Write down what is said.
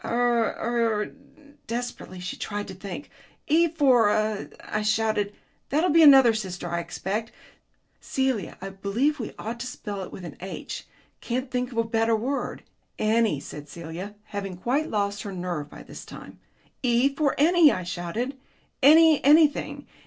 "Er er " Desperately she tried to think. "E for er," I shouted. "That'll be another sister, I expect ... Celia, I believe we ought to spell it with an 'H.' Can't you think of a better word?" "Enny," said Celia, having quite lost her nerve by this time. "E for enny," I shouted. "Any anything.